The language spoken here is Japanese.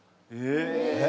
え！？